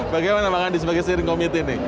bagaimana bang andi sebagai seiring komite ini